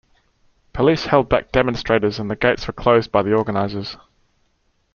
Police held back demonstrators and the gates were closed by the organisers.